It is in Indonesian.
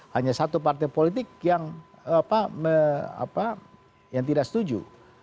hanya satu partai politik yang apa apa yang tidak setuju